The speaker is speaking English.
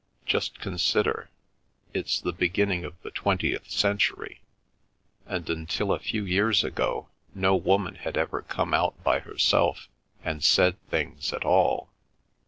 "Just consider: it's the beginning of the twentieth century, and until a few years ago no woman had ever come out by herself and said things at all.